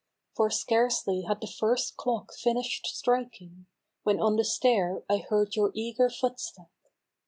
For scarcely had the first clock finished striking When on the stair I heard your eager footstep.